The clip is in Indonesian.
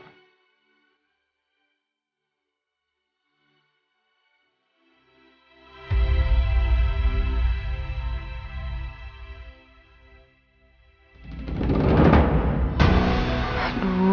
masa kamu dilarang